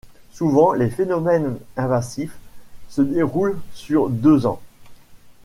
Souvent les phénomènes invasifs se déroulent sur deux ans.